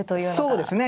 そうですね。